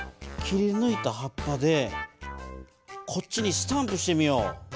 切りぬいた葉っぱでこっちにスタンプしてみよう。